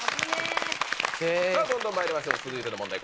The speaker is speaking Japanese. さぁどんどんまいりましょう続いての問題